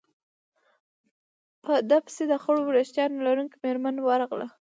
په ده پسې د خړو ورېښتانو لرونکې مېرمن ورغله.